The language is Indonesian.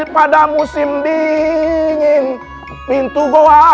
pada musim dingin pintu bawah